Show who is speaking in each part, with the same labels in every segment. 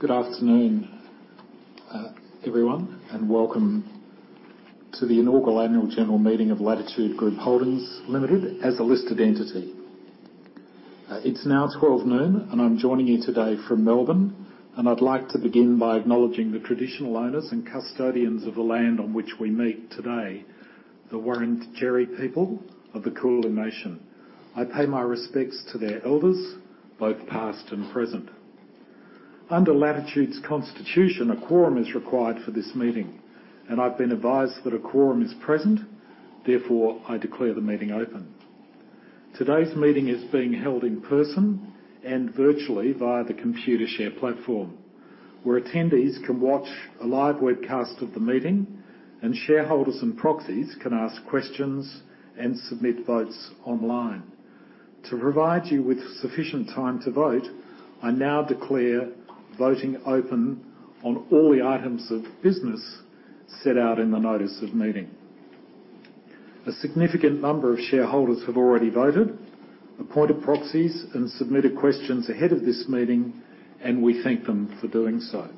Speaker 1: Good afternoon, everyone, and welcome to the inaugural annual general meeting of Latitude Group Holdings Limited as a listed entity. It's now 12:00 P.M., and I'm joining you today from Melbourne. I'd like to begin by acknowledging the traditional owners and custodians of the land on which we meet today, the Wurundjeri people of the Kulin nation. I pay my respects to their elders, both past and present. Under Latitude's constitution, a quorum is required for this meeting. I've been advised that a quorum is present, therefore, I declare the meeting open. Today's meeting is being held in person and virtually via the Computershare platform, where attendees can watch a live webcast of the meeting, and shareholders and proxies can ask questions and submit votes online. To provide you with sufficient time to vote, I now declare voting open on all the items of business set out in the notice of meeting. A significant number of shareholders have already voted, appointed proxies, and submitted questions ahead of this meeting, and we thank them for doing so.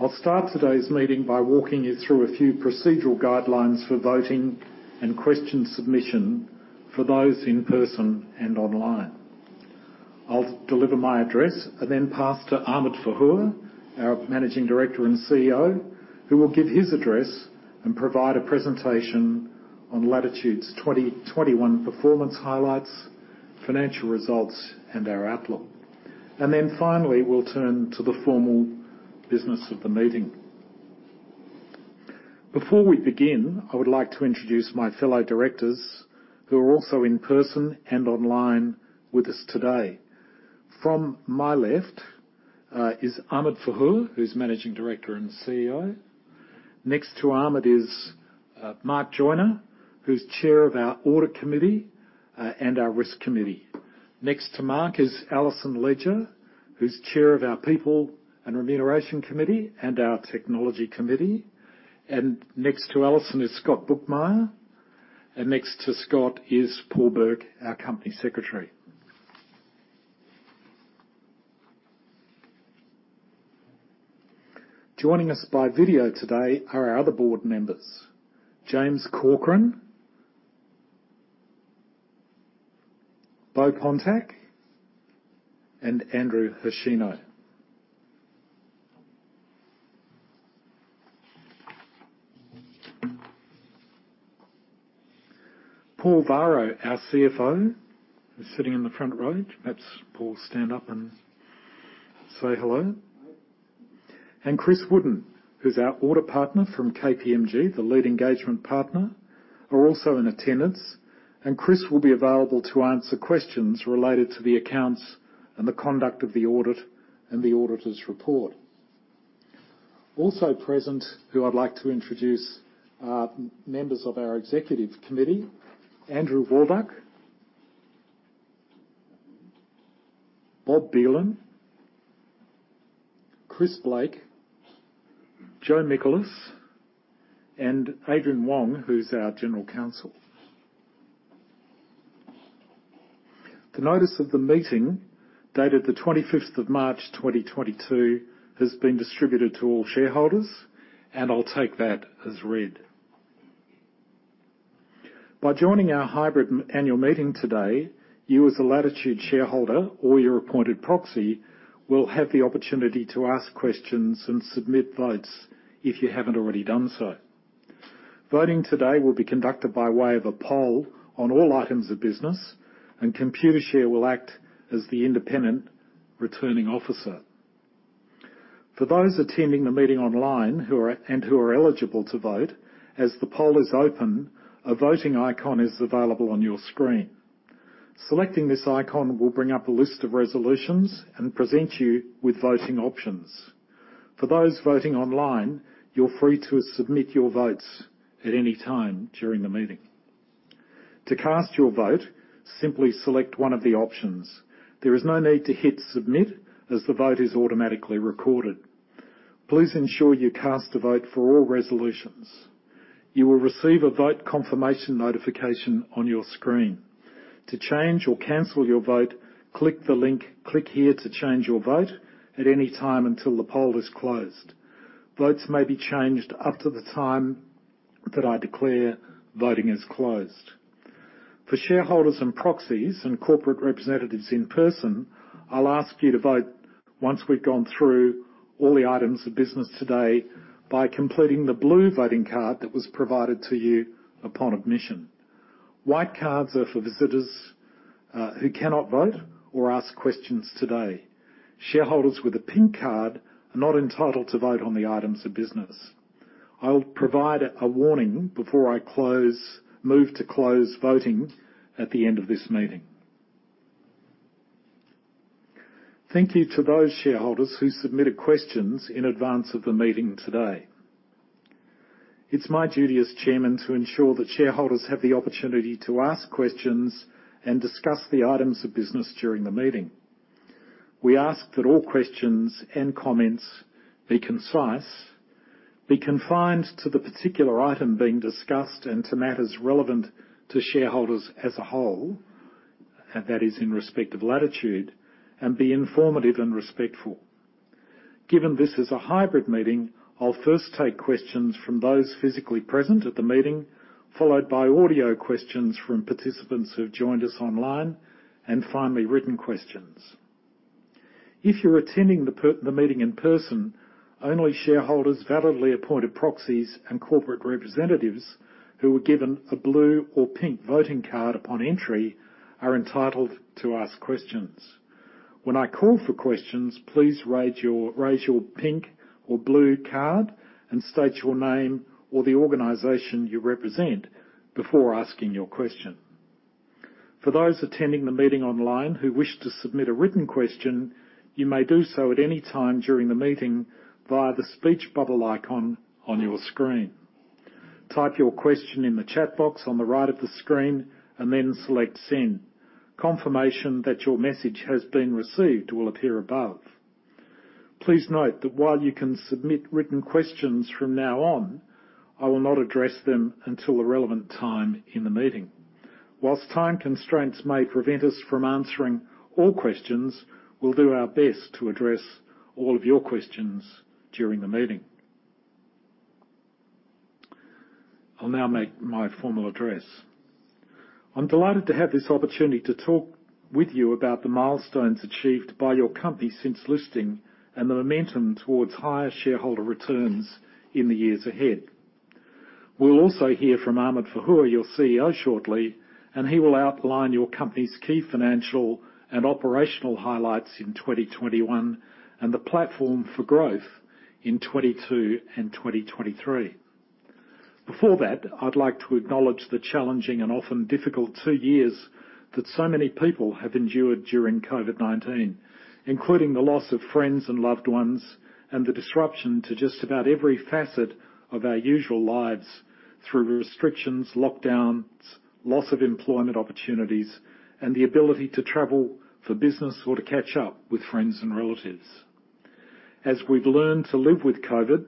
Speaker 1: I'll start today's meeting by walking you through a few procedural guidelines for voting and question submission for those in person and online. I'll deliver my address and then pass to Ahmed Fahour, our Managing Director and CEO, who will give his address and provide a presentation on Latitude's 2021 performance highlights, financial results, and our outlook. Finally, we'll turn to the formal business of the meeting. Before we begin, I would like to introduce my fellow directors who are also in person and online with us today. From my left is Ahmed Fahour, who's Managing Director and CEO. Next to Ahmed is Mark Joiner, who's chair of our Audit Committee and our Risk Committee. Next to Mark is Alison Ledger, who's chair of our People and Remuneration Committee and our Technology Committee. Next to Alison is Scott Bookmyer. Next to Scott is Paul Burke, our company secretary. Joining us by video today are our other board members, James Corcoran, Beaux Pontak, and Andrew Hoshino. Paul Varro, our CFO, is sitting in the front row. Perhaps Paul stand up and say hello.
Speaker 2: Hello.
Speaker 1: Chris Wooden, who's our audit partner from KPMG, the lead engagement partner, are also in attendance, and Chris will be available to answer questions related to the accounts and the conduct of the audit and the auditor's report. Also present, who I'd like to introduce, are members of our executive committee, Andrew Walduck, Bob Belan, Chris Blake, Joe Mikolas, and Adrian Wong, who's our general counsel. The notice of the meeting, dated the 25th of March, 2022, has been distributed to all shareholders, and I'll take that as read. By joining our hybrid annual meeting today, you as a Latitude shareholder or your appointed proxy will have the opportunity to ask questions and submit votes if you haven't already done so. Voting today will be conducted by way of a poll on all items of business. Computershare will act as the independent returning officer. For those attending the meeting online who are eligible to vote, as the poll is open, a voting icon is available on your screen. Selecting this icon will bring up a list of resolutions and present you with voting options. For those voting online, you're free to submit your votes at any time during the meeting. To cast your vote, simply select one of the options. There is no need to hit Submit, as the vote is automatically recorded. Please ensure you cast a vote for all resolutions. You will receive a vote confirmation notification on your screen. To change or cancel your vote, click the link, Click here to change your vote, at any time until the poll is closed. Votes may be changed up to the time that I declare voting is closed. For shareholders and proxies and corporate representatives in person, I'll ask you to vote once we've gone through all the items of business today by completing the blue voting card that was provided to you upon admission. White cards are for visitors, who cannot vote or ask questions today. Shareholders with a pink card are not entitled to vote on the items of business. I'll provide a warning before I move to close voting at the end of this meeting. Thank you to those shareholders who submitted questions in advance of the meeting today. It's my duty as chairman to ensure that shareholders have the opportunity to ask questions and discuss the items of business during the meeting. We ask that all questions and comments be concise. Be confined to the particular item being discussed and to matters relevant to shareholders as a whole, and that is in respect of Latitude, and be informative and respectful. Given this is a hybrid meeting, I'll first take questions from those physically present at the meeting, followed by audio questions from participants who have joined us online, and finally, written questions. If you're attending the meeting in person, only shareholders, validly appointed proxies, and corporate representatives who were given a blue or pink voting card upon entry are entitled to ask questions. When I call for questions, please raise your pink or blue card and state your name or the organization you represent before asking your question. For those attending the meeting online who wish to submit a written question, you may do so at any time during the meeting via the speech bubble icon on your screen. Type your question in the chat box on the right of the screen and then select Send. Confirmation that your message has been received will appear above. Please note that while you can submit written questions from now on, I will not address them until the relevant time in the meeting. While time constraints may prevent us from answering all questions, we'll do our best to address all of your questions during the meeting. I'll now make my formal address. I'm delighted to have this opportunity to talk with you about the milestones achieved by your company since listing and the momentum towards higher shareholder returns in the years ahead. We'll also hear from Ahmed Fahour, your CEO, shortly, and he will outline your company's key financial and operational highlights in 2021 and the platform for growth in 2022 and 2023. Before that, I'd like to acknowledge the challenging and often difficult two years that so many people have endured during COVID-19, including the loss of friends and loved ones, and the disruption to just about every facet of our usual lives through restrictions, lockdowns, loss of employment opportunities, and the ability to travel for business or to catch up with friends and relatives. As we've learned to live with COVID,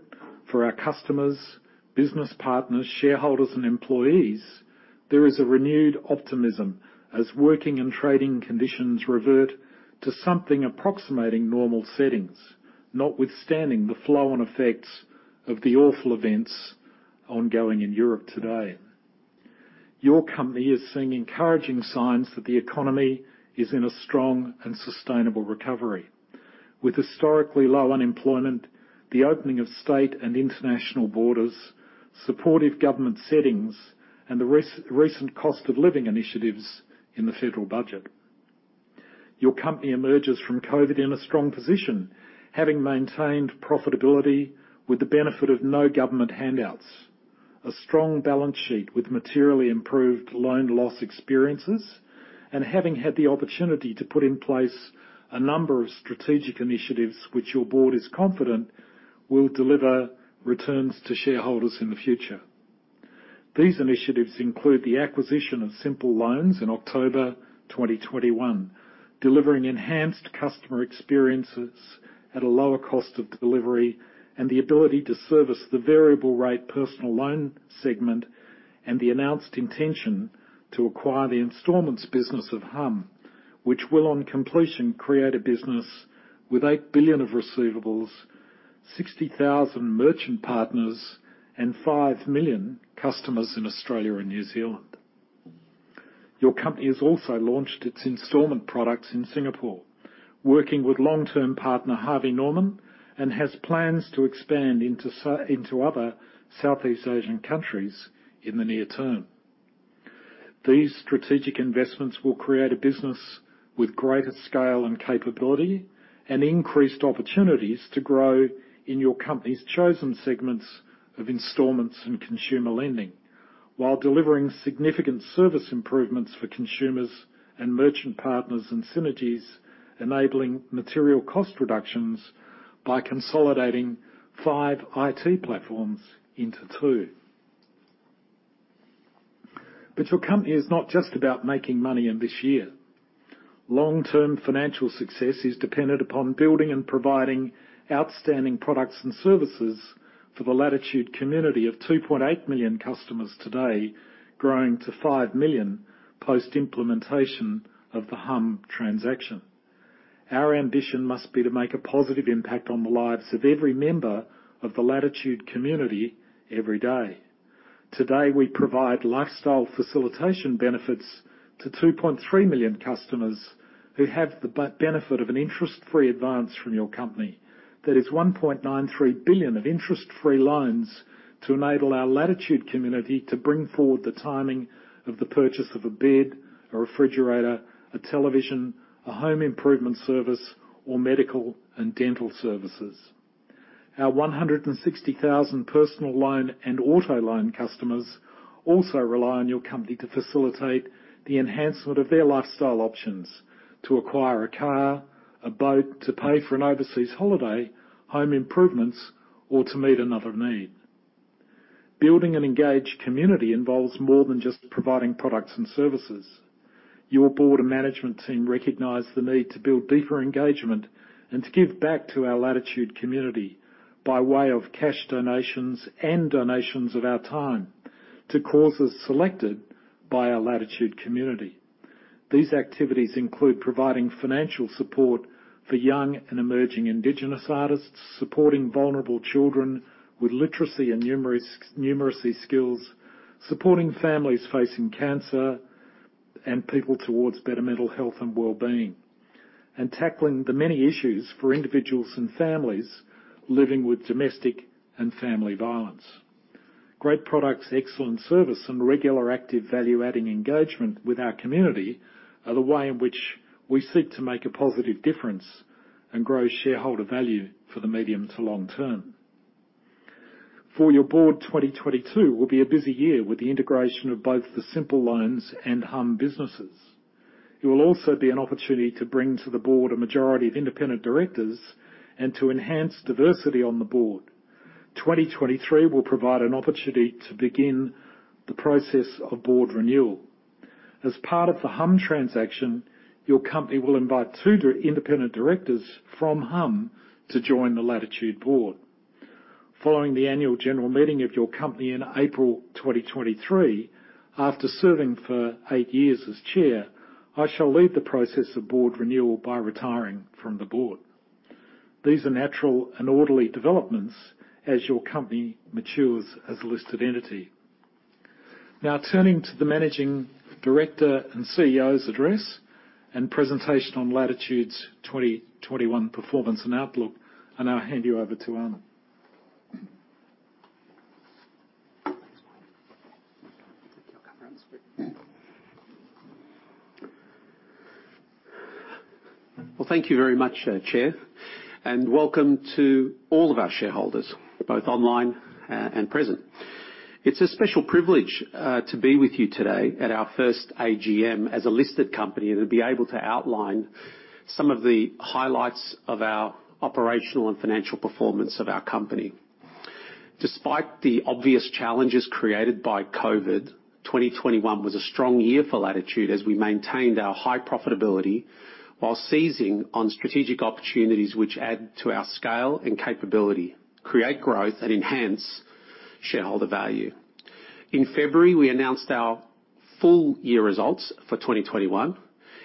Speaker 1: for our customers, business partners, shareholders, and employees, there is a renewed optimism as working and trading conditions revert to something approximating normal settings, notwithstanding the flow and effects of the awful events ongoing in Europe today. Your company is seeing encouraging signs that the economy is in a strong and sustainable recovery, with historically low unemployment, the opening of state and international borders, supportive government settings, and the recent cost of living initiatives in the federal budget. Your company emerges from COVID in a strong position, having maintained profitability with the benefit of no government handouts, a strong balance sheet with materially improved loan loss experiences, and having had the opportunity to put in place a number of strategic initiatives which your board is confident will deliver returns to shareholders in the future. These initiatives include the acquisition of Symple Loans in October 2021, delivering enhanced customer experiences at a lower cost of delivery, and the ability to service the variable rate personal loan segment, and the announced intention to acquire the installments business of Humm, which will, on completion, create a business with 8 billion of receivables, 60,000 merchant partners, and 5 million customers in Australia and New Zealand. Your company has also launched its installment products in Singapore, working with long-term partner Harvey Norman, and has plans to expand into into other Southeast Asian countries in the near term. These strategic investments will create a business with greater scale and capability and increased opportunities to grow in your company's chosen segments of installments and consumer lending, while delivering significant service improvements for consumers and merchant partners, and synergies enabling material cost reductions by consolidating five IT platforms into two. Your company is not just about making money in this year. Long-term financial success is dependent upon building and providing outstanding products and services for the Latitude community of 2.8 million customers today, growing to 5 million post-implementation of the Humm transaction. Our ambition must be to make a positive impact on the lives of every member of the Latitude community every day. Today, we provide lifestyle facilitation benefits to 2.3 million customers who have the benefit of an interest-free advance from your company. That is 1.93 billion of interest-free loans to enable our Latitude community to bring forward the timing of the purchase of a bed, a refrigerator, a television, a home improvement service, or medical and dental services. Our 160,000 personal loan and auto loan customers also rely on your company to facilitate the enhancement of their lifestyle options to acquire a car, a boat, to pay for an overseas holiday, home improvements, or to meet another need. Building an engaged community involves more than just providing products and services. Your board and management team recognize the need to build deeper engagement and to give back to our Latitude community by way of cash donations and donations of our time to causes selected by our Latitude community. These activities include providing financial support for young and emerging indigenous artists, supporting vulnerable children with literacy and numeracy skills, supporting families facing cancer, and people towards better mental health and well-being, and tackling the many issues for individuals and families living with domestic and family violence. Great products, excellent service, and regular active value-adding engagement with our community are the way in which we seek to make a positive difference and grow shareholder value for the medium to long term. For your board, 2022 will be a busy year with the integration of both the Symple Loans and Humm businesses. It will also be an opportunity to bring to the board a majority of independent directors and to enhance diversity on the board. 2023 will provide an opportunity to begin the process of board renewal. As part of the Humm transaction, your company will invite two independent directors from Humm to join the Latitude board. Following the annual general meeting of your company in April 2023, after serving for 8 years as chair, I shall lead the process of board renewal by retiring from the board. These are natural and orderly developments as your company matures as a listed entity. Now turning to the managing director and CEO's address and presentation on Latitude's 2021 performance and outlook, and I'll hand you over to Ahmed.
Speaker 3: Well, thank you very much, Chair, and welcome to all of our shareholders, both online, and present. It's a special privilege to be with you today at our first AGM as a listed company to be able to outline some of the highlights of our operational and financial performance of our company. Despite the obvious challenges created by COVID, 2021 was a strong year for Latitude as we maintained our high profitability while seizing on strategic opportunities which add to our scale and capability, create growth, and enhance shareholder value. In February, we announced our full year results for 2021,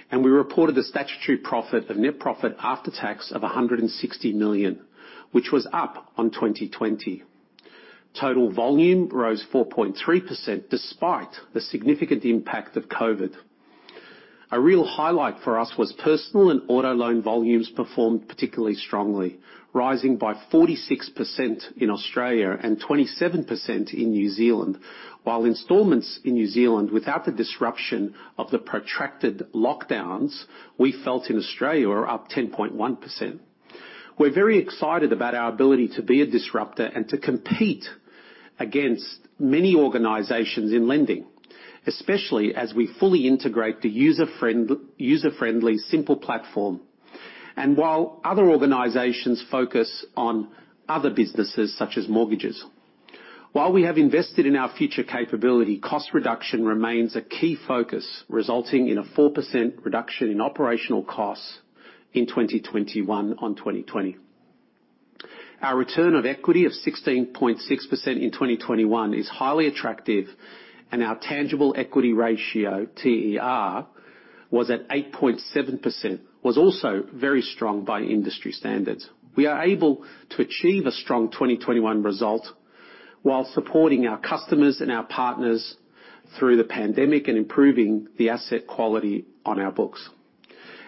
Speaker 3: and we reported the statutory profit, the net profit after tax of 160 million, which was up on 2020. Total volume rose 4.3% despite the significant impact of COVID. A real highlight for us was personal and auto loan volumes performed particularly strongly, rising by 46% in Australia and 27% in New Zealand, while installments in New Zealand, without the disruption of the protracted lockdowns we felt in Australia, are up 10.1%. We're very excited about our ability to be a disruptor and to compete against many organizations in lending, especially as we fully integrate the user-friendly simple platform and while other organizations focus on other businesses such as mortgages. While we have invested in our future capability, cost reduction remains a key focus, resulting in a 4% reduction in operational costs in 2021 on 2020. Our return on equity of 16.6% in 2021 is highly attractive, and our tangible equity ratio, TER, was at 8.7%, also very strong by industry standards. We are able to achieve a strong 2021 result while supporting our customers and our partners through the pandemic and improving the asset quality on our books.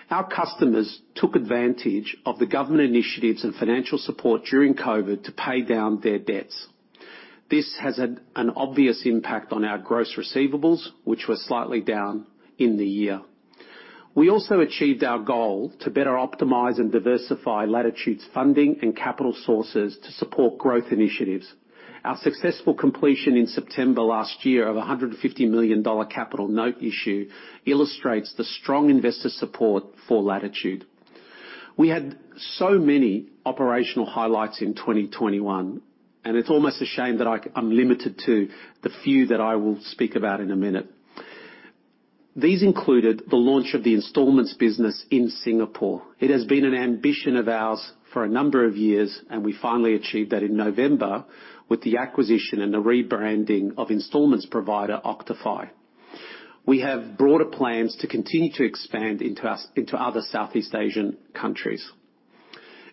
Speaker 3: Our customers took advantage of the government initiatives and financial support during COVID to pay down their debts. This has had an obvious impact on our gross receivables, which were slightly down in the year. We also achieved our goal to better optimize and diversify Latitude's funding and capital sources to support growth initiatives. Our successful completion in September last year of 150 million dollar capital note issue illustrates the strong investor support for Latitude. We had so many operational highlights in 2021, and it's almost a shame that I'm limited to the few that I will speak about in a minute. These included the launch of the installments business in Singapore. It has been an ambition of ours for a number of years, and we finally achieved that in November with the acquisition and the rebranding of installments provider OctiFi. We have broader plans to continue to expand into other Southeast Asian countries.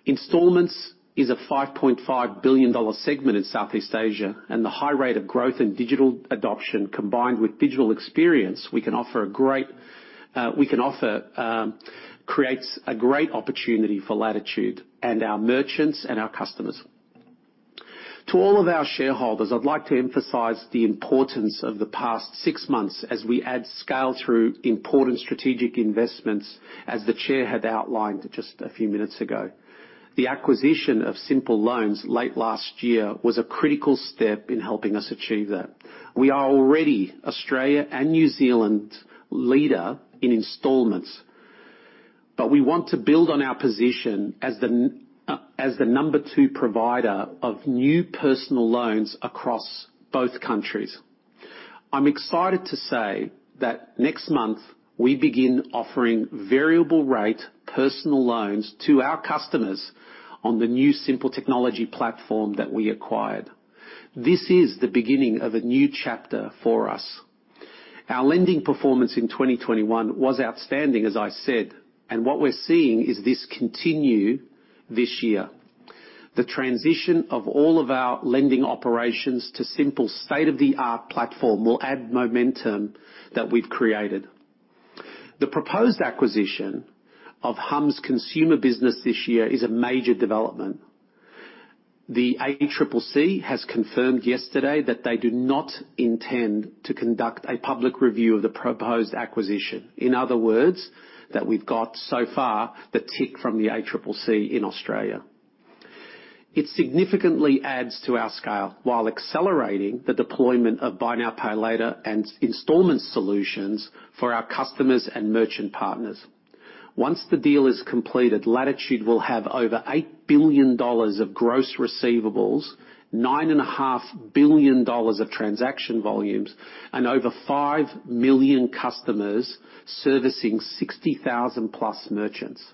Speaker 3: Installments is a 5.5 billion dollar segment in Southeast Asia, and the high rate of growth in digital adoption combined with digital experience we can offer creates a great opportunity for Latitude and our merchants and our customers. To all of our shareholders, I'd like to emphasize the importance of the past six months as we add scale through important strategic investments, as the Chair had outlined just a few minutes ago. The acquisition of Symple Loans late last year was a critical step in helping us achieve that. We are already Australia and New Zealand's leader in installments. We want to build on our position as the number two provider of new personal loans across both countries. I'm excited to say that next month, we begin offering variable rate personal loans to our customers on the new Symple Technology platform that we acquired. This is the beginning of a new chapter for us. Our lending performance in 2021 was outstanding, as I said, and what we're seeing is this continuing this year. The transition of all of our lending operations to Symple state-of-the-art platform will add momentum that we've created. The proposed acquisition of Humm's consumer business this year is a major development. The ACCC has confirmed yesterday that they do not intend to conduct a public review of the proposed acquisition, in other words, that we've got so far the tick from the ACCC in Australia. It significantly adds to our scale while accelerating the deployment of buy now, pay later and installment solutions for our customers and merchant partners. Once the deal is completed, Latitude will have over 8 billion dollars of gross receivables, 9.5 billion dollars of transaction volumes, and over 5 million customers servicing 60,000+ merchants.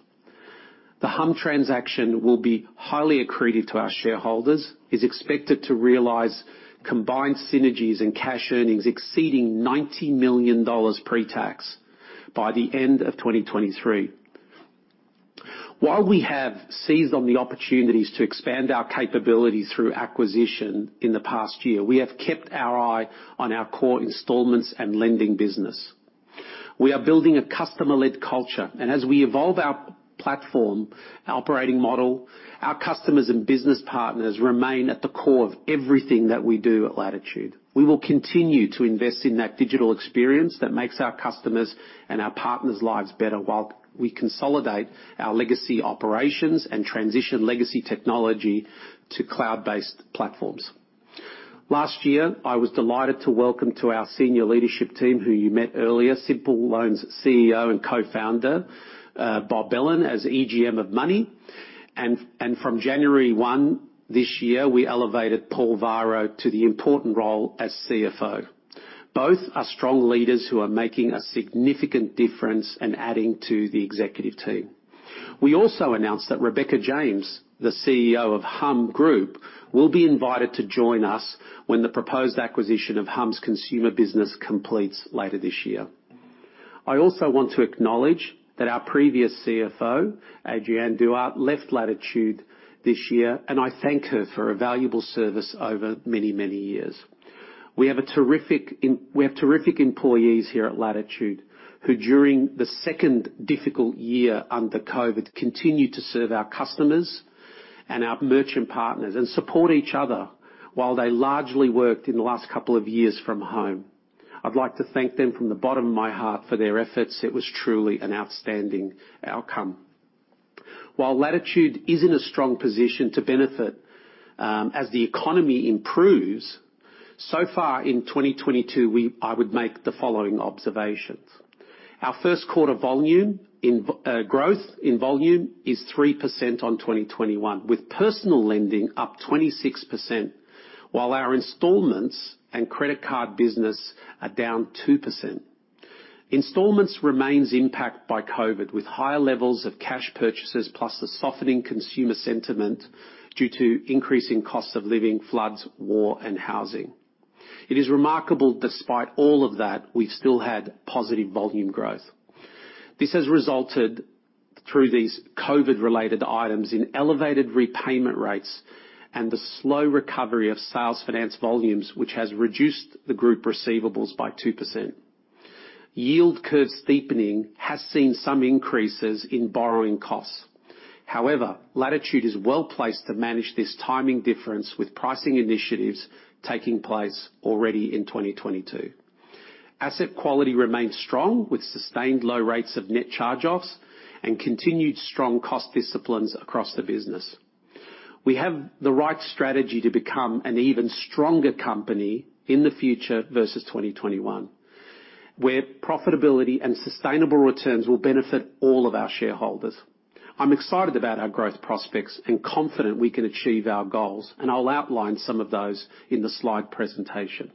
Speaker 3: The Humm transaction will be highly accretive to our shareholders and is expected to realize combined synergies and cash earnings exceeding 90 million dollars pre-tax by the end of 2023. While we have seized on the opportunities to expand our capabilities through acquisition in the past year, we have kept our eye on our core installments and lending business. We are building a customer-led culture, and as we evolve our platform operating model, our customers and business partners remain at the core of everything that we do at Latitude. We will continue to invest in that digital experience that makes our customers and our partners' lives better while we consolidate our legacy operations and transition legacy technology to cloud-based platforms. Last year, I was delighted to welcome to our senior leadership team who you met earlier, Symple Loans CEO and Co-founder, Bob Belan as EGM of Money. From January 1 this year, we elevated Paul Varro to the important role as CFO. Both are strong leaders who are making a significant difference and adding to the executive team. We also announced that Rebecca James, the CEO of Humm Group, will be invited to join us when the proposed acquisition of Humm's consumer business completes later this year. I also want to acknowledge that our previous CFO, Adrienne Duarte, left Latitude this year, and I thank her for her valuable service over many, many years. We have terrific employees here at Latitude, who during the second difficult year under COVID, continued to serve our customers and our merchant partners and support each other while they largely worked in the last couple of years from home. I'd like to thank them from the bottom of my heart for their efforts. It was truly an outstanding outcome. While Latitude is in a strong position to benefit as the economy improves, so far in 2022, I would make the following observations. Our first quarter volume growth is 3% on 2021, with personal lending up 26%, while our installments and credit card business are down 2%. Installments remains impacted by COVID, with higher levels of cash purchases, plus the softening consumer sentiment due to increasing cost of living, floods, war, and housing. It is remarkable despite all of that, we've still had positive volume growth. This has resulted through these COVID-related items in elevated repayment rates and the slow recovery of sales finance volumes, which has reduced the group receivables by 2%. Yield curve steepening has seen some increases in borrowing costs. However, Latitude is well-placed to manage this timing difference, with pricing initiatives taking place already in 2022. Asset quality remains strong, with sustained low rates of net charge-offs and continued strong cost disciplines across the business. We have the right strategy to become an even stronger company in the future versus 2021, where profitability and sustainable returns will benefit all of our shareholders. I'm excited about our growth prospects and confident we can achieve our goals, and I'll outline some of those in the slide presentation.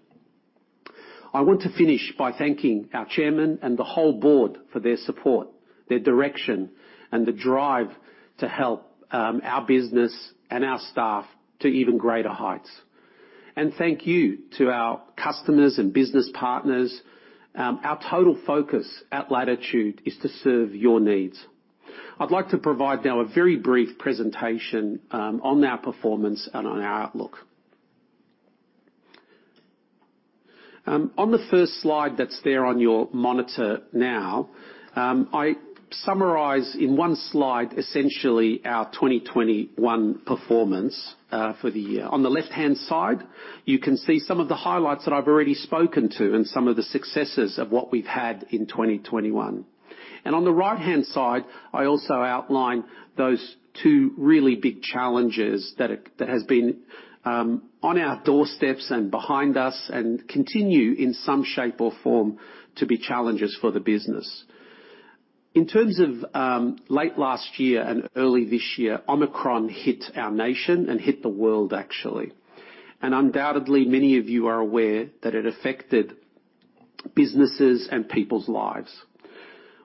Speaker 3: I want to finish by thanking our chairman and the whole board for their support, their direction, and the drive to help our business and our staff to even greater heights. Thank you to our customers and business partners. Our total focus at Latitude is to serve your needs. I'd like to provide now a very brief presentation on our performance and on our outlook. On the first slide that's there on your monitor now, I summarize in one slide, essentially our 2021 performance for the year. On the left-hand side, you can see some of the highlights that I've already spoken to and some of the successes of what we've had in 2021. On the right-hand side, I also outline those two really big challenges that has been on our doorsteps and behind us and continue in some shape or form to be challenges for the business. In terms of late last year and early this year, Omicron hit our nation and hit the world actually. Undoubtedly, many of you are aware that it affected businesses and people's lives.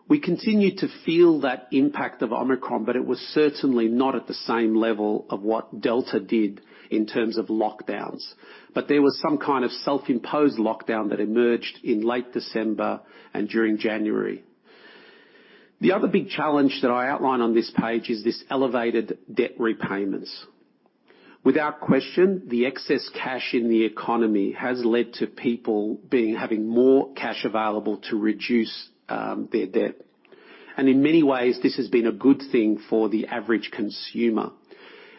Speaker 3: We continued to feel that impact of Omicron, but it was certainly not at the same level of what Delta did in terms of lockdowns. There was some kind of self-imposed lockdown that emerged in late December and during January. The other big challenge that I outline on this page is this elevated debt repayments. Without question, the excess cash in the economy has led to people having more cash available to reduce their debt. In many ways, this has been a good thing for the average consumer.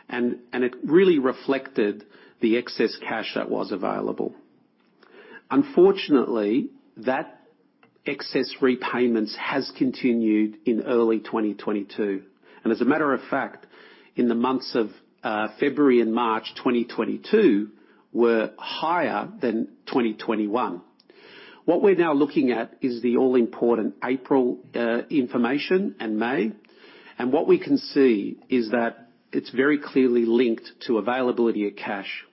Speaker 3: It really reflected the excess cash that was available. Unfortunately, that excess repayments has continued in early 2022. As a matter of fact, in the months of February and March 2022 were higher than 2021. What we're now looking at is the all-important April information and May, and what we can see is that it's very clearly linked to availability of cash.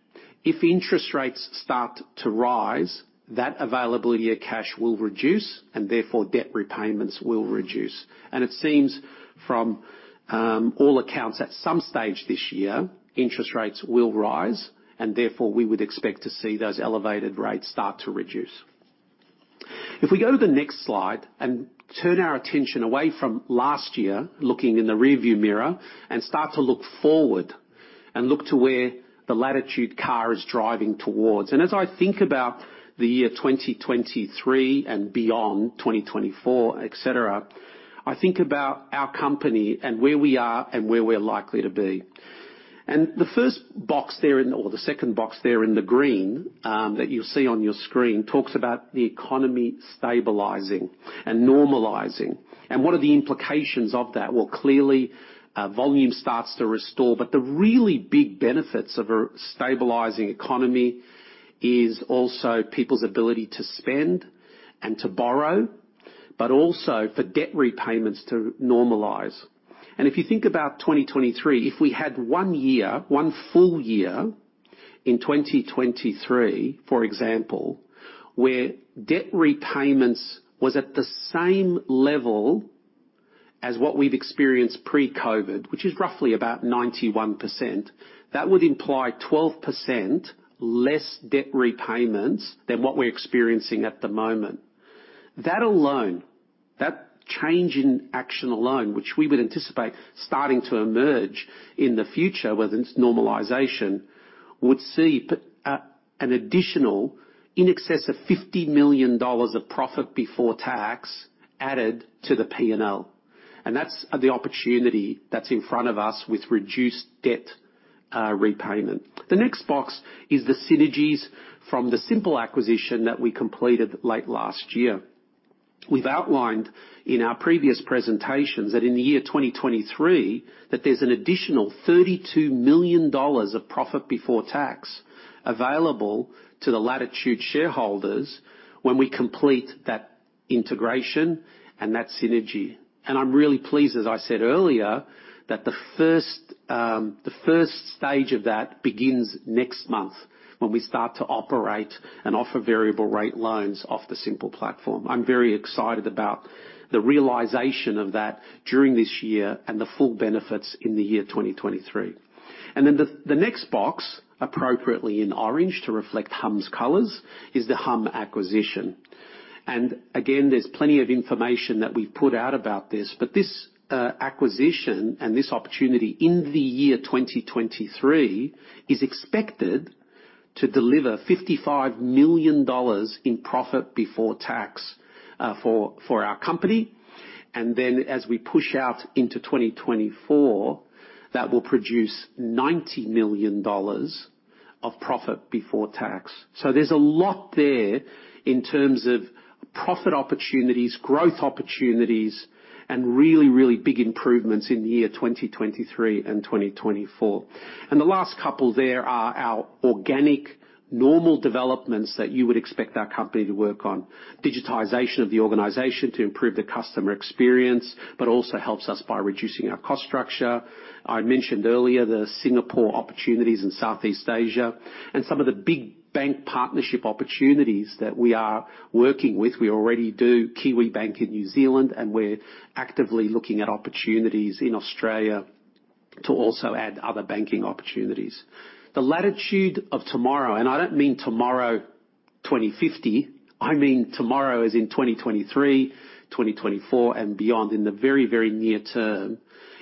Speaker 3: If interest rates start to rise, that availability of cash will reduce and therefore debt repayments will reduce. It seems from all accounts, at some stage this year, interest rates will rise and therefore we would expect to see those elevated rates start to reduce. If we go to the next slide and turn our attention away from last year, looking in the rearview mirror and start to look forward and look to where the Latitude car is driving towards, and as I think about the year 2023 and beyond 2024, et cetera, I think about our company and where we are and where we're likely to be. The first box there or the second box there in the green that you see on your screen talks about the economy stabilizing and normalizing. What are the implications of that? Well, clearly, volume starts to restore. The really big benefits of a stabilizing economy is also people's ability to spend and to borrow, but also for debt repayments to normalize. If you think about 2023, if we had one year, one full year in 2023, for example, where debt repayments was at the same level as what we've experienced pre-COVID, which is roughly about 91%, that would imply 12% less debt repayments than what we're experiencing at the moment. That alone, that change in action alone, which we would anticipate starting to emerge in the future, whether it's normalization, would see an additional in excess of 50 million dollars of profit before tax added to the P&L. That's the opportunity that's in front of us with reduced debt repayment. The next box is the synergies from the Symple acquisition that we completed late last year. We've outlined in our previous presentations that in the year 2023, that there's an additional 32 million dollars of profit before tax available to the Latitude shareholders when we complete that integration and that synergy. I'm really pleased, as I said earlier, that the first stage of that begins next month when we start to operate and offer variable rate loans off the Symple platform. I'm very excited about the realization of that during this year and the full benefits in the year 2023. Then the next box, appropriately in orange to reflect Humm's colors, is the Humm acquisition. Again, there's plenty of information that we've put out about this. This acquisition and this opportunity in the year 2023 is expected to deliver 55 million dollars in profit before tax for our company. Then as we push out into 2024, that will produce 90 million dollars of profit before tax. There's a lot there in terms of profit opportunities, growth opportunities and really big improvements in the year 2023 and 2024. The last couple, there are our organic normal developments that you would expect our company to work on. Digitization of the organization to improve the customer experience, but also helps us by reducing our cost structure. I mentioned earlier the Singapore opportunities in Southeast Asia and some of the big bank partnership opportunities that we are working with. We already do Kiwibank in New Zealand, and we're actively looking at opportunities in Australia to also add other banking opportunities. The Latitude of tomorrow, and I don't mean tomorrow, 2050, I mean tomorrow as in 2023, 2024 and beyond, in the very, very near term,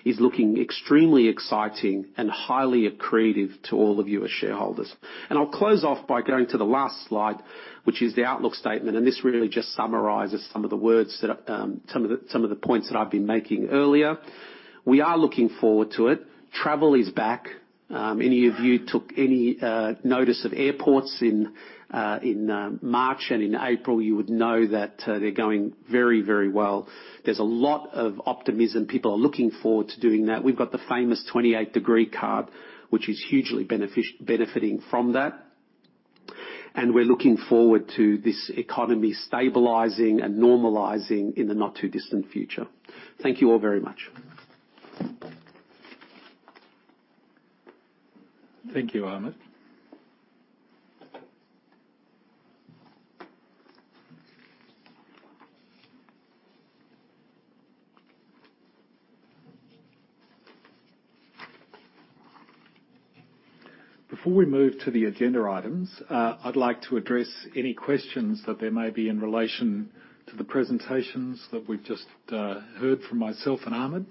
Speaker 3: is looking extremely exciting and highly accretive to all of you as shareholders. I'll close off by going to the last slide, which is the outlook statement. This really just summarizes some of the points that I've been making earlier. We are looking forward to it. Travel is back. If any of you took any notice of airports in March and April, you would know that they're going very well. There's a lot of optimism. People are looking forward to doing that. We've got the famous 28 Degrees card, which is hugely benefiting from that. We're looking forward to this economy stabilizing and normalizing in the not too distant future. Thank you all very much.
Speaker 1: Thank you, Ahmed. Before we move to the agenda items, I'd like to address any questions that there may be in relation to the presentations that we've just heard from myself and Ahmed,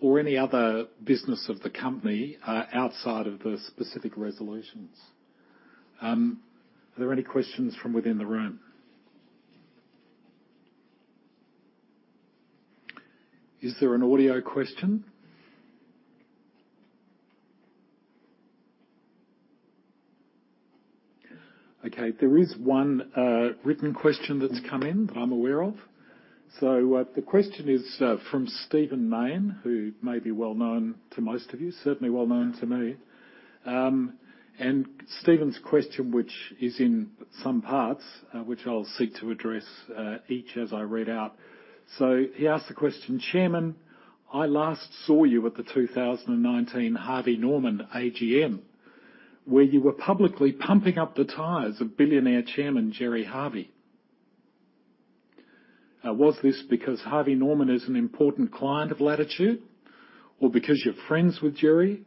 Speaker 1: or any other business of the company, outside of the specific resolutions. Are there any questions from within the room? Is there an audio question? Okay, there is one written question that's come in that I'm aware of. The question is from Stephen Mayne, who may be well known to most of you, certainly well known to me. Stephen's question, which is in some parts, which I'll seek to address each as I read out. He asked the question, "Chairman, I last saw you at the 2019 Harvey Norman EGM, where you were publicly pumping up the tires of billionaire chairman Gerry Harvey. Was this because Harvey Norman is an important client of Latitude or because you're friends with Gerry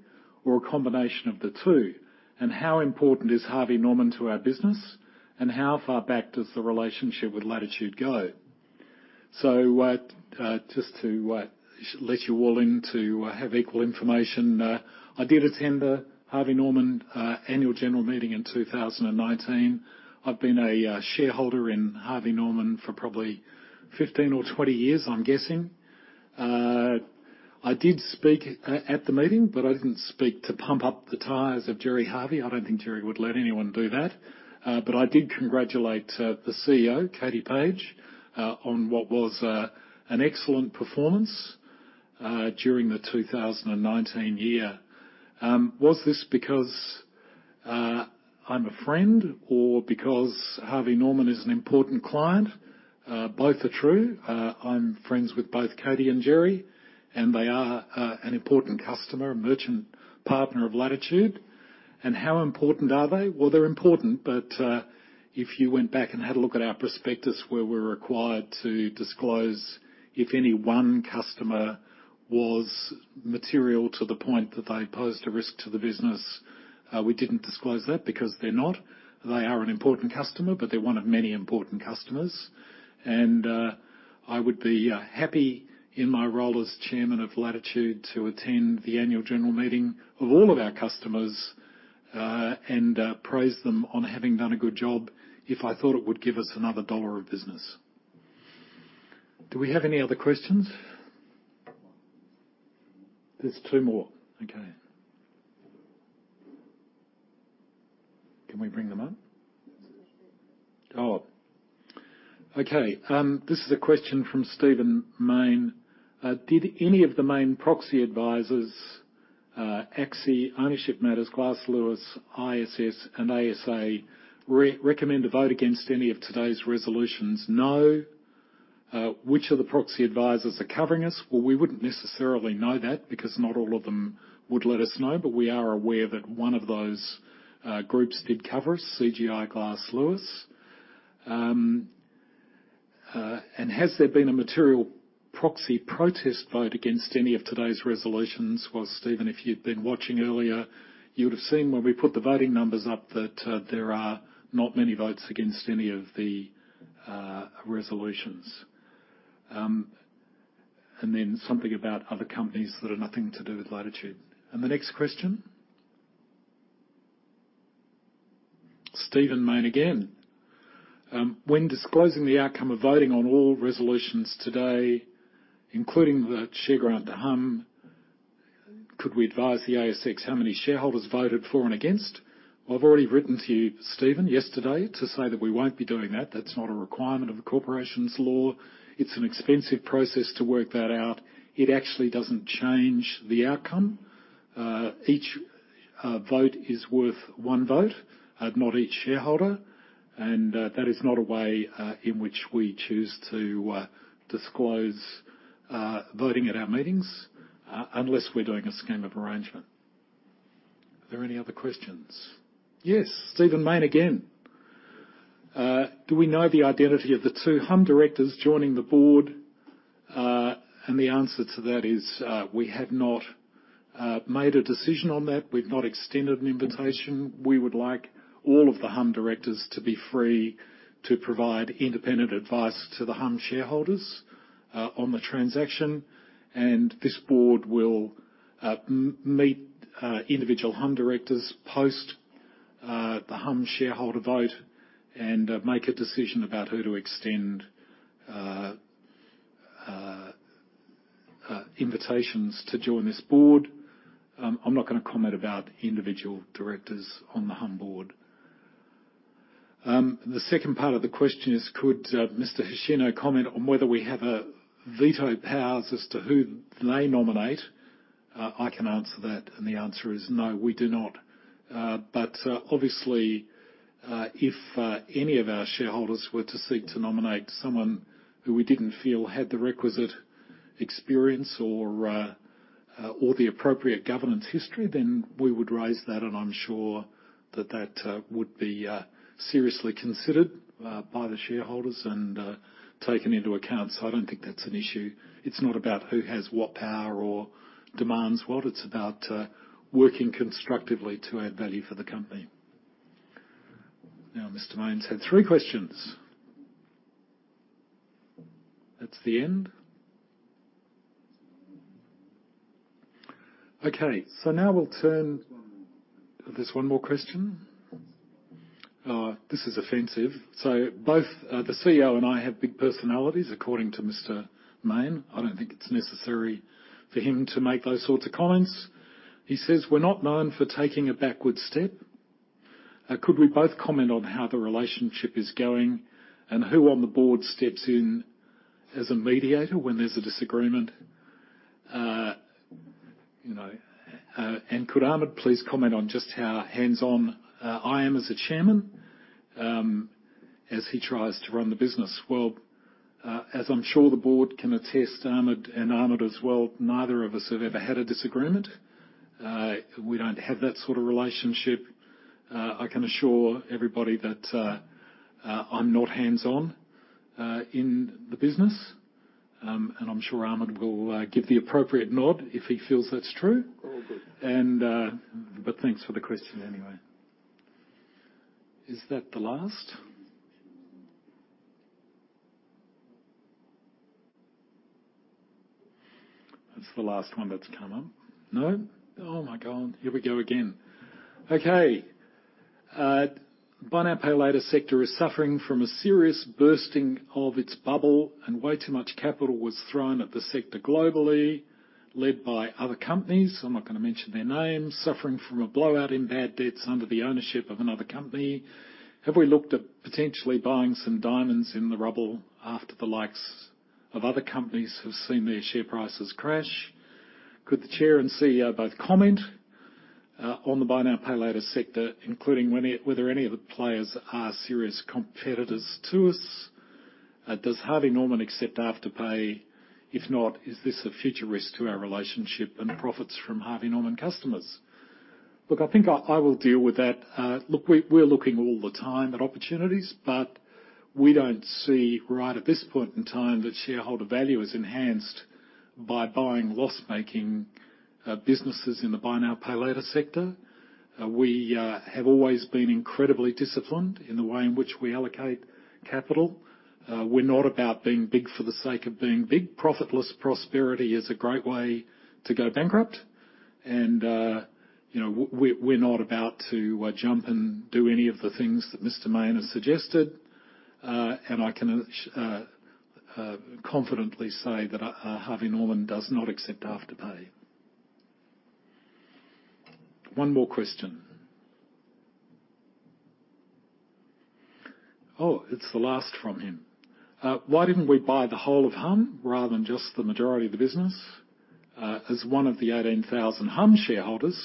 Speaker 1: or a combination of the two? And how important is Harvey Norman to our business, and how far back does the relationship with Latitude go?" Just to let you all in to have equal information, I did attend the Harvey Norman annual general meeting in 2019. I've been a shareholder in Harvey Norman for probably 15 or 20 years, I'm guessing. I did speak at the meeting, but I didn't speak to pump up the tires of Gerry Harvey. I don't think Gerry would let anyone do that. I did congratulate the CEO, Katie Page, on what was an excellent performance during the 2019 year. Was this because I'm a friend or because Harvey Norman is an important client? Both are true. I'm friends with both Katie and Gerry, and they are an important customer and merchant partner of Latitude. How important are they? Well, they're important, but if you went back and had a look at our prospectus where we're required to disclose if any one customer was material to the point that they posed a risk to the business, we didn't disclose that because they're not. They are an important customer, but they're one of many important customers. I would be happy in my role as chairman of Latitude to attend the annual general meeting of all of our customers, and praise them on having done a good job if I thought it would give us another dollar of business. Do we have any other questions? There's two more. Okay. Can we bring them up? Oh, okay. This is a question from Stephen Mayne. "Did any of the main proxy advisors, ACSI, Ownership Matters, Glass Lewis, ISS, and ASA recommend a vote against any of today's resolutions?" No. Which of the proxy advisors are covering us? Well, we wouldn't necessarily know that because not all of them would let us know, but we are aware that one of those groups did cover us, CGI Glass Lewis. Has there been a material proxy protest vote against any of today's resolutions? Well, Stephen, if you'd been watching earlier, you would have seen when we put the voting numbers up that there are not many votes against any of the resolutions. Something about other companies that are nothing to do with Latitude. The next question. Stephen Mayne again. When disclosing the outcome of voting on all resolutions today, including the share grant to Humm, could we advise the ASX how many shareholders voted for and against? I've already written to you, Stephen, yesterday to say that we won't be doing that. That's not a requirement of the Corporations Law. It's an expensive process to work that out. It actually doesn't change the outcome. Each vote is worth one vote, not each shareholder. That is not a way in which we choose to disclose voting at our meetings unless we're doing a scheme of arrangement. Are there any other questions? Yes, Stephen Mayne again. Do we know the identity of the two Humm directors joining the board? The answer to that is we have not made a decision on that. We've not extended an invitation. We would like all of the Humm directors to be free to provide independent advice to the Humm shareholders on the transaction. This board will meet individual Humm directors post the Humm shareholder vote and make a decision about who to extend invitations to join this board. I'm not gonna comment about individual directors on the Humm board. The second part of the question is, could Mr. Hoshino comment on whether we have veto powers as to who they nominate? I can answer that, and the answer is no, we do not. But obviously, if any of our shareholders were to seek to nominate someone who we didn't feel had the requisite experience or the appropriate governance history, then we would raise that, and I'm sure that would be seriously considered by the shareholders and taken into account. I don't think that's an issue. It's not about who has what power or demands what. It's about working constructively to add value for the company. Now, Mr. Mayne's had three questions. That's the end. Okay. Now we'll turn-
Speaker 4: There's one more.
Speaker 1: There's one more question? Oh, this is offensive. Both, the CEO and I have big personalities, according to Mr. Mayne. I don't think it's necessary for him to make those sorts of comments. He says, "We're not known for taking a backward step. Could we both comment on how the relationship is going and who on the board steps in as a mediator when there's a disagreement? And could Ahmed please comment on just how hands-on I am as a chairman, as he tries to run the business?" Well, as I'm sure the board can attest, Ahmed as well, neither of us have ever had a disagreement. We don't have that sort of relationship. I can assure everybody that, I'm not hands-on, in the business. I'm sure Ahmed will give the appropriate nod if he feels that's true.
Speaker 4: All good.
Speaker 1: Thanks for the question anyway. Is that the last? That's the last one that's come up. No? Oh, my God, here we go again. Okay. "Buy now, pay later sector is suffering from a serious bursting of its bubble and way too much capital was thrown at the sector globally, led by other companies," I'm not gonna mention their names, "suffering from a blowout in bad debts under the ownership of another company. Have we looked at potentially buying some diamonds in the rubble after the likes of other companies who've seen their share prices crash? Could the Chair and CEO both comment on the buy now, pay later sector, including whether any of the players are serious competitors to us? Does Harvey Norman accept Afterpay? If not, is this a future risk to our relationship and profits from Harvey Norman customers?" Look, I think I will deal with that. Look, we're looking all the time at opportunities, but we don't see right at this point in time that shareholder value is enhanced by buying loss-making businesses in the buy now, pay later sector. We have always been incredibly disciplined in the way in which we allocate capital. We're not about being big for the sake of being big. Profitless prosperity is a great way to go bankrupt. You know, we're not about to jump and do any of the things that Mr. Mayne has suggested. I can confidently say that Harvey Norman does not accept Afterpay. One more question. Oh, it's the last from him. Why didn't we buy the whole of Humm rather than just the majority of the business? As one of the 18,000 Humm shareholders,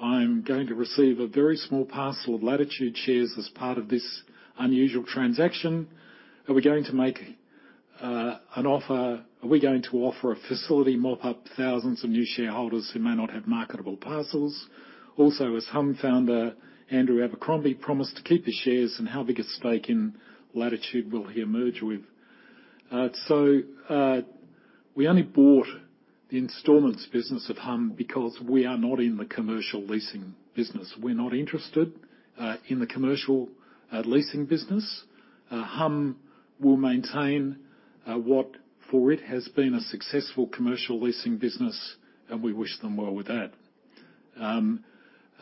Speaker 1: I'm going to receive a very small parcel of Latitude shares as part of this unusual transaction. Are we going to offer a facility to mop up thousands of new shareholders who may not have marketable parcels? Also, as Humm founder Andrew Abercrombie promised to keep his shares, and how big a stake in Latitude will he emerge with?" We only bought the installments business of Humm because we are not in the commercial leasing business. We're not interested in the commercial leasing business. Humm will maintain what has been for it a successful commercial leasing business, and we wish them well with that.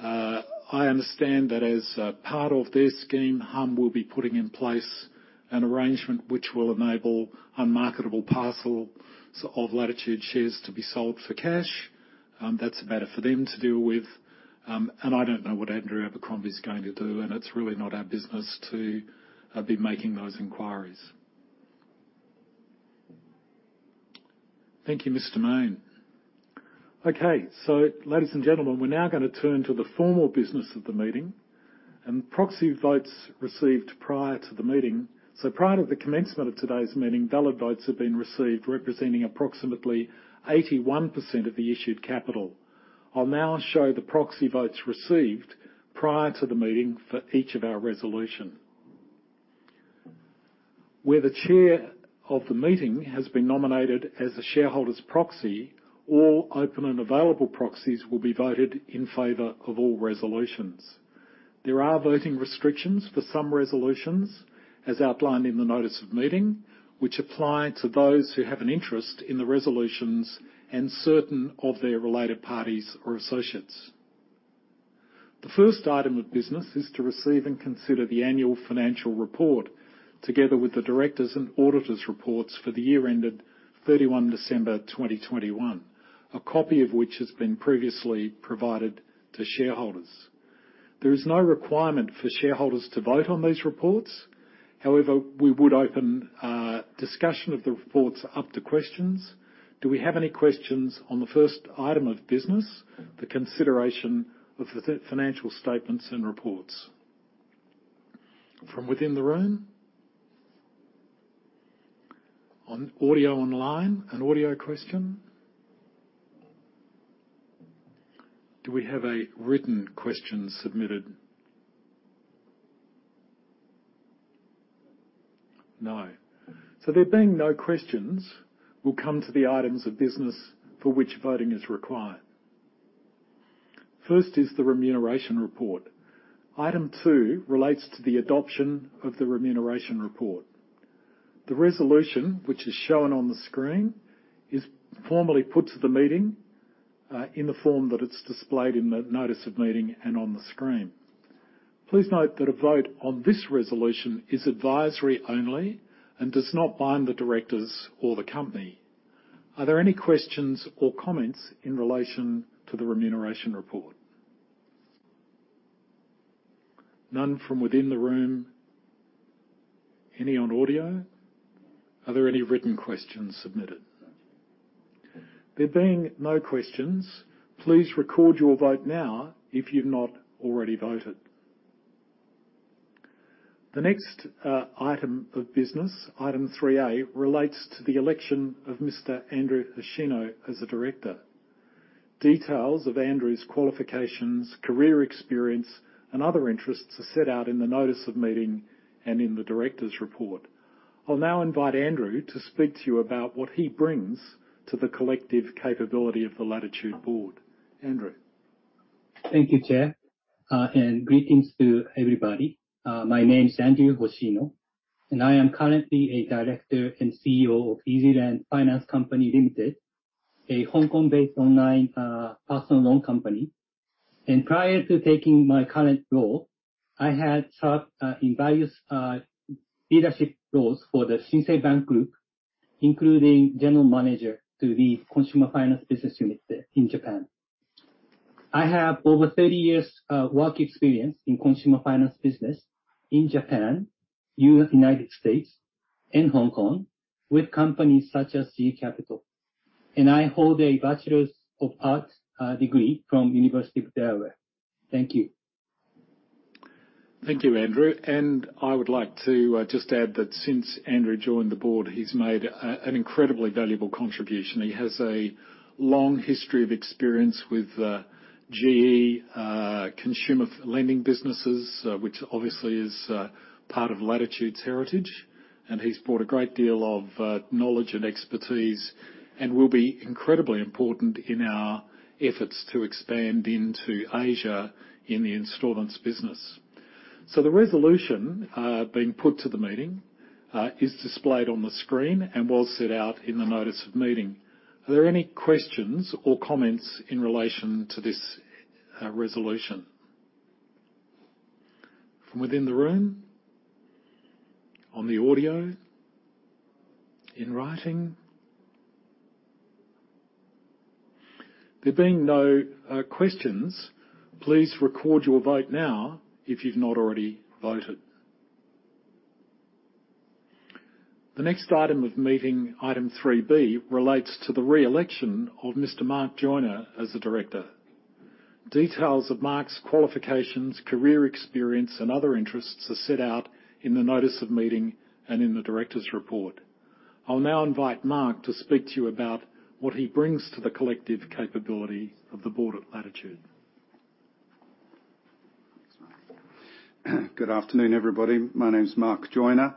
Speaker 1: I understand that as part of their scheme, Humm will be putting in place an arrangement which will enable unmarketable parcels of Latitude shares to be sold for cash. That's a matter for them to deal with. I don't know what Andrew Abercrombie's going to do, and it's really not our business to be making those inquiries. Thank you, Mr. Mayne. Okay. Ladies and gentlemen, we're now gonna turn to the formal business of the meeting and proxy votes received prior to the meeting. Prior to the commencement of today's meeting, valid votes have been received representing approximately 81% of the issued capital. I'll now show the proxy votes received prior to the meeting for each of our resolution. Where the chair of the meeting has been nominated as the shareholder's proxy or open and available proxies will be voted in favor of all resolutions. There are voting restrictions for some resolutions, as outlined in the notice of meeting, which apply to those who have an interest in the resolutions and certain of their related parties or associates. The first item of business is to receive and consider the annual financial report, together with the directors' and auditors' reports for the year ended 31 December 2021. A copy of which has been previously provided to shareholders. There is no requirement for shareholders to vote on these reports. However, we would open discussion of the reports up to questions. Do we have any questions on the first item of business, the consideration of the financial statements and reports? From within the room? On audio online, an audio question? Do we have a written question submitted? No. So there being no questions, we'll come to the items of business for which voting is required. First is the remuneration report. Item 2 relates to the adoption of the remuneration report. The resolution, which is shown on the screen, is formally put to the meeting in the form that it's displayed in the notice of meeting and on the screen. Please note that a vote on this resolution is advisory only and does not bind the directors or the company. Are there any questions or comments in relation to the remuneration report? None from within the room. Any on audio? Are there any written questions submitted? There being no questions, please record your vote now if you've not already voted. The next item of business, Item 3A, relates to the election of Mr. Andrew Hoshino as a director. Details of Andrew's qualifications, career experience, and other interests are set out in the notice of meeting and in the director's report. I'll now invite Andrew to speak to you about what he brings to the collective capability of the Latitude board. Andrew.
Speaker 5: Thank you, Chair, and greetings to everybody. My name is Andrew Hoshino, and I am currently a Director and CEO of EasyLend Finance Company Limited, a Hong Kong-based online personal loan company. Prior to taking my current role, I had served in various leadership roles for the Shinsei Bank Group, including general manager to the consumer finance business unit there in Japan. I have over 30 years work experience in consumer finance business in Japan, United States, and Hong Kong with companies such as GE Capital. I hold a Bachelor of Arts degree from University of Delaware. Thank you.
Speaker 1: Thank you, Andrew. I would like to just add that since Andrew joined the board, he's made an incredibly valuable contribution. He has a long history of experience with GE consumer finance lending businesses, which obviously is part of Latitude's heritage. He's brought a great deal of knowledge and expertise, and will be incredibly important in our efforts to expand into Asia in the installments business. The resolution being put to the meeting is displayed on the screen and well set out in the notice of meeting. Are there any questions or comments in relation to this resolution? From within the room? On the audio? In writing? There being no questions, please record your vote now if you've not already voted. The next item of meeting, item 3B, relates to the reelection of Mr. Mark Joiner as a director. Details of Mark's qualifications, career experience, and other interests are set out in the notice of meeting and in the director's report. I'll now invite Mark to speak to you about what he brings to the collective capability of the board at Latitude.
Speaker 4: Thanks, Mark. Good afternoon, everybody. My name is Mark Joiner.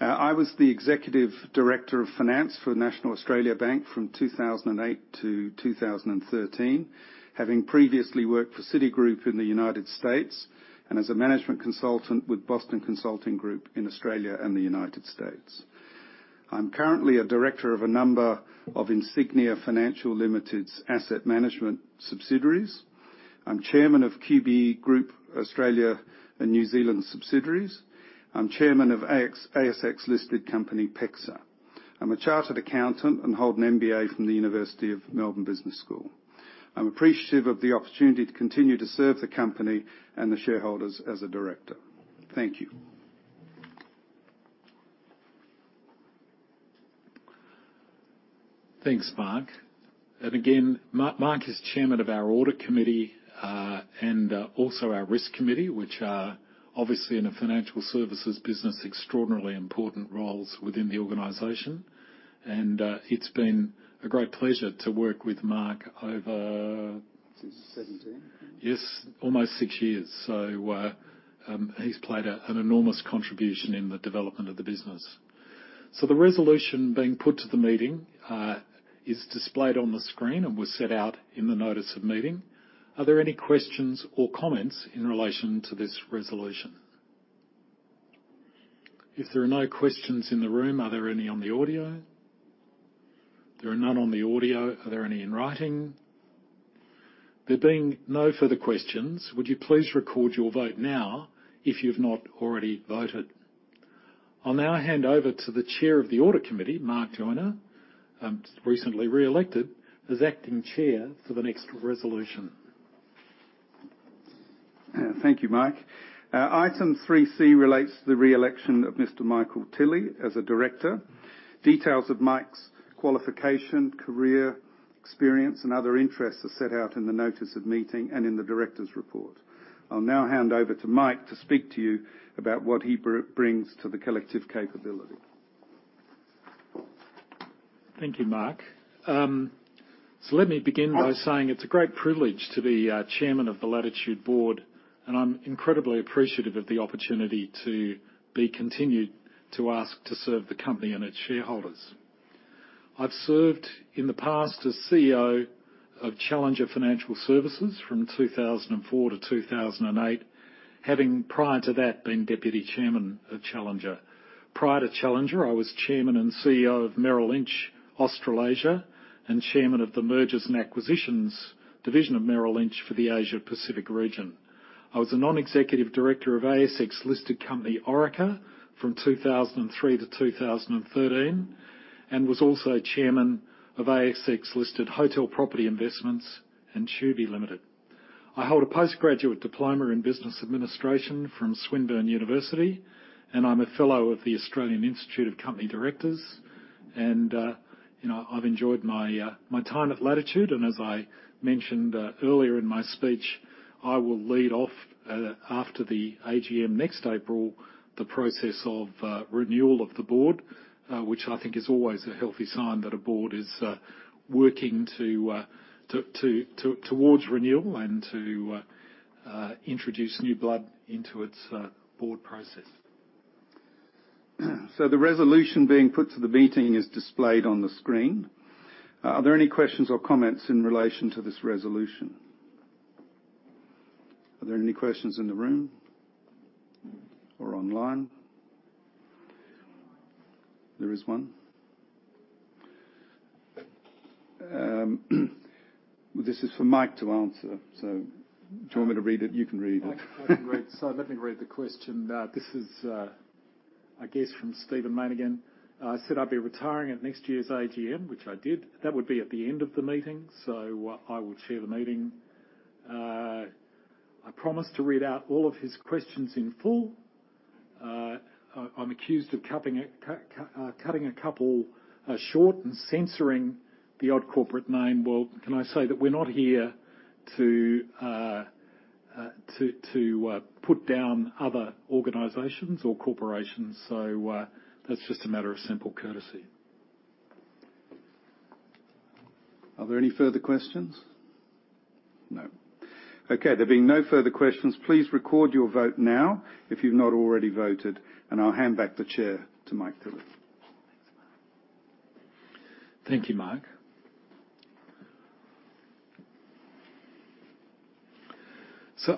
Speaker 4: I was the Executive Director of Finance for National Australia Bank from 2008 to 2013, having previously worked for Citigroup in the United States and as a management consultant with Boston Consulting Group in Australia and the United States. I'm currently a director of a number of Insignia Financial Limited's asset management subsidiaries. I'm chairman of QBE Group Australia and New Zealand subsidiaries. I'm chairman of ASX-listed company, PEXA. I'm a chartered accountant and hold an MBA from the University of Melbourne Business School. I'm appreciative of the opportunity to continue to serve the company and the shareholders as a director. Thank you.
Speaker 1: Thanks, Mark. Again, Mark is chairman of our audit committee, and also our risk committee, which are obviously in a financial services business, extraordinarily important roles within the organization. It's been a great pleasure to work with Mark.
Speaker 4: Since 2017.
Speaker 1: Yes, almost six years. He's played an enormous contribution in the development of the business. The resolution being put to the meeting is displayed on the screen and was set out in the notice of meeting. Are there any questions or comments in relation to this resolution? If there are no questions in the room, are there any on the audio? There are none on the audio. Are there any in writing? There being no further questions, would you please record your vote now if you've not already voted. I'll now hand over to the Chair of the Audit Committee, Mark Joiner, recently reelected as Acting Chair for the next resolution.
Speaker 4: Thank you, Mike. Item 3C relates to the re-election of Mr. Michael Tilley as a director. Details of Mike's qualification, career, experience, and other interests are set out in the notice of meeting and in the director's report. I'll now hand over to Mike to speak to you about what he brings to the collective capability.
Speaker 1: Thank you, Mark. Let me begin by saying it's a great privilege to be chairman of the Latitude board, and I'm incredibly appreciative of the opportunity to be continued to ask to serve the company and its shareholders. I've served in the past as CEO of Challenger Financial Services Group from 2004 to 2008. Having prior to that, being Deputy Chairman at Challenger. Prior to Challenger, I was Chairman and CEO of Merrill Lynch Australasia, and Chairman of the Mergers and Acquisitions division of Merrill Lynch for the Asia Pacific region. I was a non-executive director of ASX-listed company Orica from 2003 to 2013, and was also Chairman of ASX-listed Hotel Property Investments and Chubb Limited. I hold a Postgraduate Diploma in Business Administration from Swinburne University, and I'm a fellow of the Australian Institute of Company Directors. You know, I've enjoyed my time at Latitude, and as I mentioned earlier in my speech, I will lead off after the AGM next April the process of renewal of the board, which I think is always a healthy sign that a board is working towards renewal and to introduce new blood into its board process.
Speaker 4: The resolution being put to the meeting is displayed on the screen. Are there any questions or comments in relation to this resolution? Are there any questions in the room or online? There is one. This is for Mike to answer. Do you want me to read it? You can read it.
Speaker 1: Let me read the question. This is, I guess, from Stephen Mayne. I said I'd be retiring at next year's EGM, which I did. That would be at the end of the meeting, so I will chair the meeting. I promise to read out all of his questions in full. I'm accused of cutting a couple short and censoring the odd corporate name. Well, can I say that we're not here to put down other organizations or corporations. That's just a matter of simple courtesy.
Speaker 4: Are there any further questions? No. Okay, there being no further questions, please record your vote now if you've not already voted, and I'll hand back the chair to Michael Tilley.
Speaker 1: Thank you, Mark.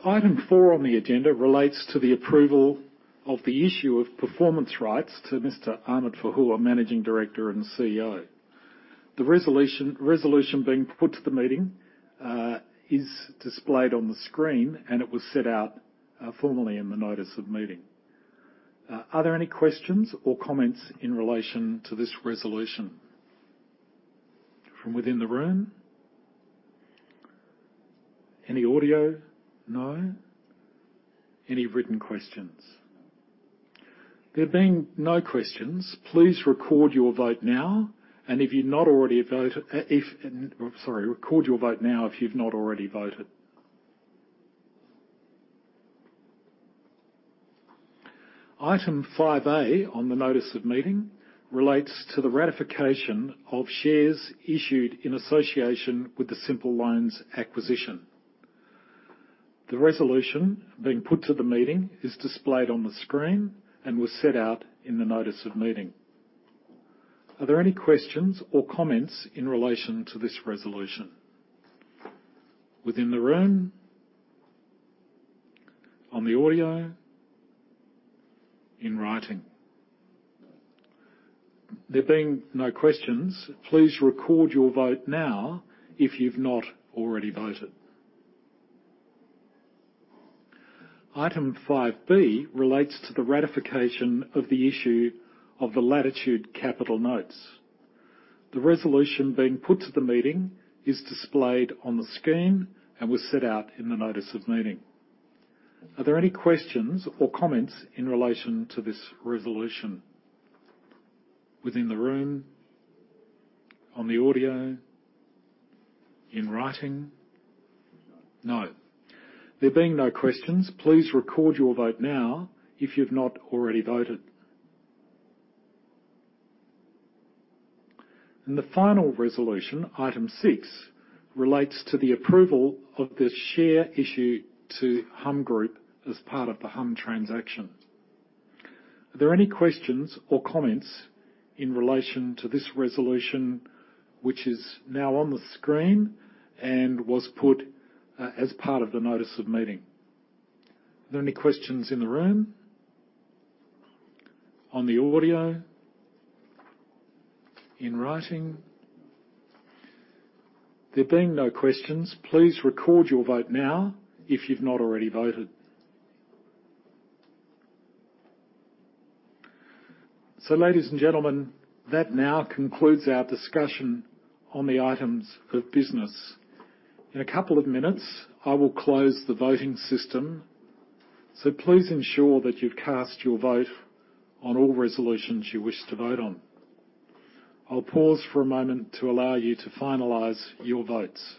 Speaker 1: Item 4 on the agenda relates to the approval of the issue of performance rights to Mr. Ahmed Fahour, Managing Director and CEO. The resolution being put to the meeting is displayed on the screen, and it was set out formally in the notice of meeting. Are there any questions or comments in relation to this resolution? From within the room? Any audio? No. Any written questions? There being no questions, please record your vote now if you've not already voted. Item 5A on the notice of meeting relates to the ratification of shares issued in association with the Symple Loans acquisition. The resolution being put to the meeting is displayed on the screen and was set out in the notice of meeting. Are there any questions or comments in relation to this resolution? Within the room? On the audio? In writing? There being no questions, please record your vote now if you've not already voted. Item 5B relates to the ratification of the issue of the Latitude capital notes. The resolution being put to the meeting is displayed on the screen and was set out in the notice of meeting. Are there any questions or comments in relation to this resolution? Within the room? On the audio? In writing? No. There being no questions, please record your vote now if you've not already voted. The final resolution, item 6, relates to the approval of the share issue to Humm Group as part of the Humm transaction. Are there any questions or comments in relation to this resolution, which is now on the screen and was put as part of the notice of meeting? Are there any questions in the room? On the audio? In writing? There being no questions, please record your vote now if you've not already voted. Ladies and gentlemen, that now concludes our discussion on the items of business. In a couple of minutes, I will close the voting system, so please ensure that you've cast your vote on all resolutions you wish to vote on. I'll pause for a moment to allow you to finalize your votes.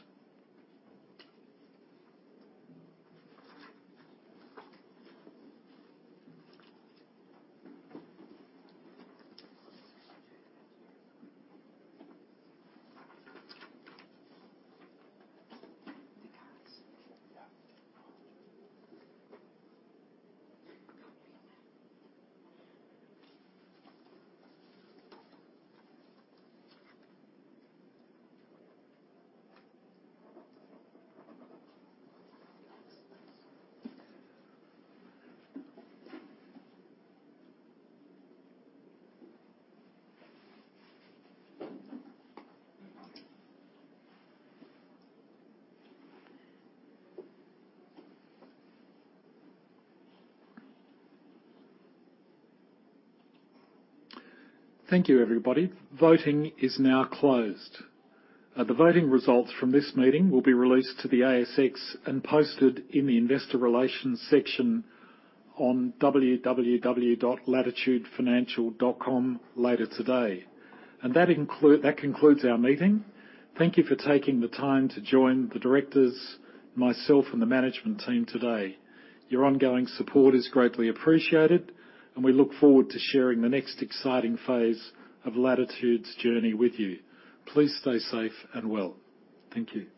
Speaker 1: Thank you, everybody. Voting is now closed. The voting results from this meeting will be released to the ASX and posted in the investor relations section on www.latitudefinancial.com later today. That concludes our meeting. Thank you for taking the time to join the directors, myself, and the management team today. Your ongoing support is greatly appreciated, and we look forward to sharing the next exciting phase of Latitude's journey with you. Please stay safe and well. Thank you.